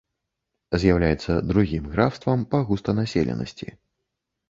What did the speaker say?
З'яўляецца другім графствам па густанаселенасці.